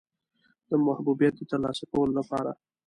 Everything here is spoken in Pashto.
د محبوبیت د ترلاسه کولو لپاره.